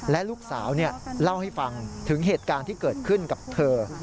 และลูกสาวเล่าให้ฟังถึงเหตุการณ์ที่เกิดขึ้นกับเธอ